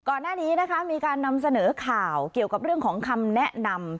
ก่อนหน้านี้นะคะมีการนำเสนอข่าวเกี่ยวกับเรื่องของคำแนะนำ